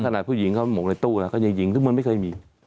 สนับผู้หญิงเขามงในตู้แล้วภูมิอยิงทุกมือไม่เคยมี